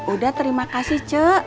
udah terima kasih cik